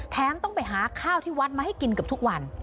ต้องไปหาข้าวที่วัดมาให้กินเกือบทุกวัน